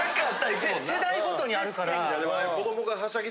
世代ごとにあるから。